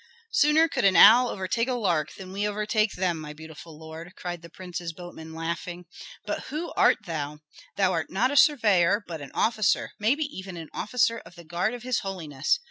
"Sooner could an owl overtake a lark than we overtake them, my beautiful lord," cried the prince's boatman, laughing. "But who art thou? Thou art not a surveyor, but an officer, maybe even an officer of the guard of his holiness.